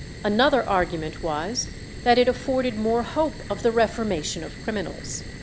Another argument was, that it afforded more hope of the reformation of criminals.